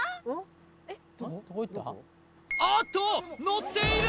あっと乗っている！